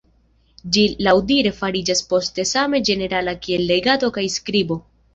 Ĝi laŭdire fariĝas poste same ĝenerala kiel legado kaj skribo.